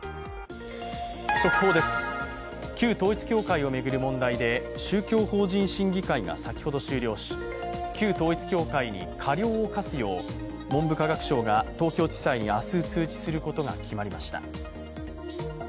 速報です、旧統一教会を巡る問題で宗教法人審議会が先ほど終了し旧統一教会に過料を科すよう文部科学省が東京地裁に明日、通知することが決まりました。